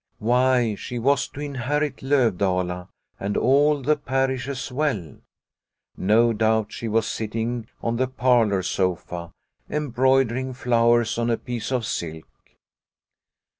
Why, she was to inherit Lovdala and all the parish as well. No doubt she was sitting on the parlour sofa, embroidering flowers on a piece of silk.